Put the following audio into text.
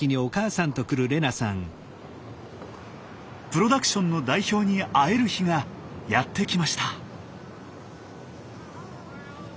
プロダクションの代表に会える日がやって来ました。